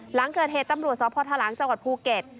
หลังเกิดเหตุตำรวจสพทะลังจังหวัดภูเก็ต